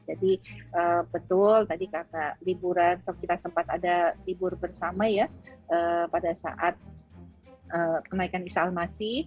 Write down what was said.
jadi betul tadi kata liburan kita sempat ada libur bersama ya pada saat kenaikan islamasi